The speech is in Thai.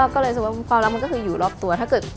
ก็เลยสมมติว่าความรักมันคืออยู่รอบตัว